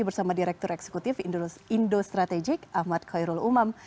bersama direktur eksekutif indo strategik ahmad khairul umam